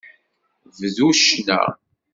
Bdu ccna.